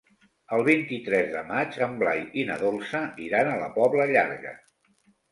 El vint-i-tres de maig en Blai i na Dolça iran a la Pobla Llarga.